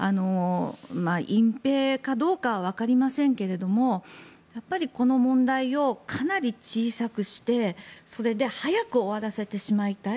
隠ぺいかどうかはわかりませんがやっぱりこの問題をかなり小さくしてそれで早く終わらせてしまいたい。